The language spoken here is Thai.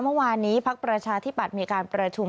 เมื่อวานนี้พักประชาธิบัติมีการประชุม